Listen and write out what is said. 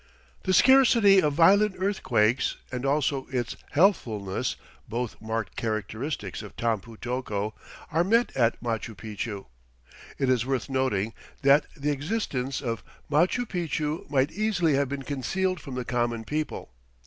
The scarcity of violent earthquakes and also its healthfulness, both marked characteristics of Tampu tocco, are met at Machu Picchu. It is worth noting that the existence of Machu Picchu might easily have been concealed from the common people.